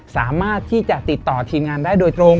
สามารถที่จะติดต่อทีมงานได้โดยตรง